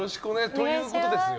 ということですよ。